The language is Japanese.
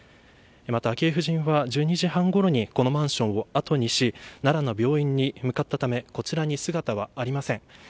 昭恵夫人は１２時半ごろにこのマンションを後にし奈良の病院に向かったためこちらに姿はありません。